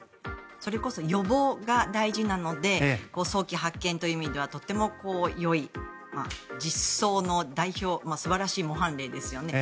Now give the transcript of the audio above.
それこそ予防が大事なので早期発見という意味ではとてもよい実装の代表素晴らしい模範例ですよね。